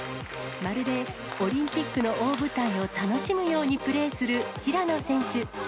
まるでオリンピックの大舞台を楽しむようにプレーする平野選手。